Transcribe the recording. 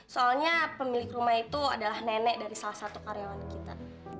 soalnya pemilik rumah itu adalah nenek dari salah satu karyawan kita